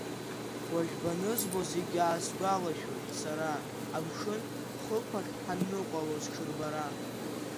Уажә банызбо, зегь аасгәалашәоит сара, амшын хықәахь ҳанныҟәалоз ҽырбара!